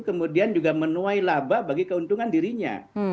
kemudian juga menuai laba bagi keuntungan dirinya